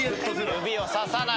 指をささない。